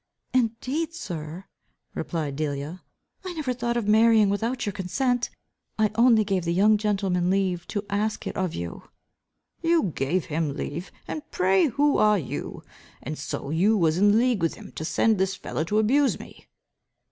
"Indeed sir," replied Delia, "I never thought of marrying without your consent. I only gave the young gentleman leave to ask it of you." "You gave him leave! And pray who are you? And so you was in league with him to send this fellow to abuse me?"